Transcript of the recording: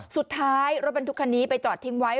สุดท้ายรถบรรทุกคันนี้ไปจอดทิ้งไว้